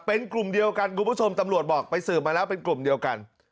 เป็นกลุ่มเดียวกันคุณผู้ชมตำรวจบอกไปสืบมาแล้วเป็นกลุ่มเดียวกัน